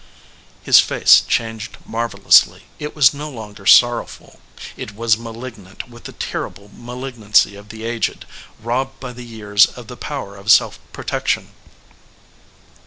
His face changed marvelously. It was no longer sorrowful, it was malignant with the terrible ma lignancy of the aged, robbed by the years of the power of self protection.